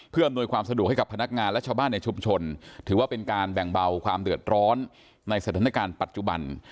เพื่ออำนวยความสะดวกให้กับพนักงานและชาวบ้านในชุมชนถือว่าเป็นการแบ่งเบาความเดือดร้อนในสถานการณ์ปัจจุบัน